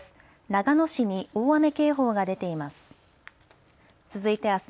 長野市に大雨警報が出ています。